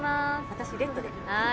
私レッドではい